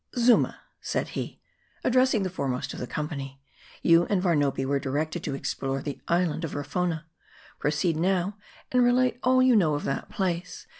" Zuma," said he, addressing the foremost of the company, "you and Varnopi were directed to explore the island of Rafona. Proceed now, and relate all you know of that place.